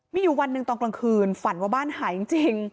มีอยู่วันหนึ่งตอนกลางคืนฝันว่าบ้านหายจริง